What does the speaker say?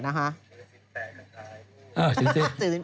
อัตมาทำร่วมถูกตัวเอง